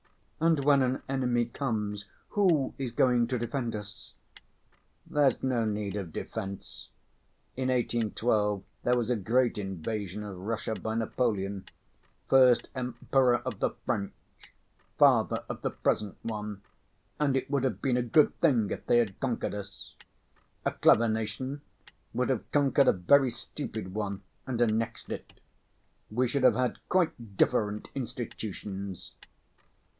"And when an enemy comes, who is going to defend us?" "There's no need of defense. In 1812 there was a great invasion of Russia by Napoleon, first Emperor of the French, father of the present one, and it would have been a good thing if they had conquered us. A clever nation would have conquered a very stupid one and annexed it. We should have had quite different institutions."